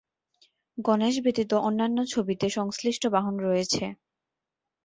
গণেশ ব্যতীত অন্যান্য ছবিতে সংশ্লিষ্ট বাহন রয়েছে।